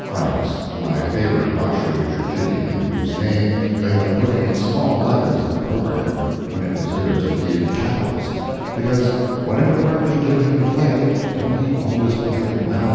Franks, (my favorite Washoe tragedian, whose name they have put in small letters in the programme, when it deserves to be in capitals—because, whatever part they give him to play, don't he always play it well?